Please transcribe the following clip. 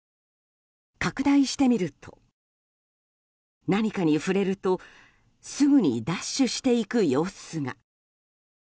拡大してみると、何かに触れるとすぐにダッシュしていく様子が。